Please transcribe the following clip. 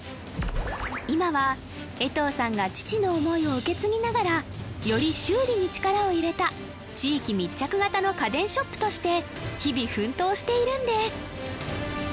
今は江藤さんが父の想いを受け継ぎながらより修理に力を入れた地域密着型の家電ショップとして日々奮闘しているんです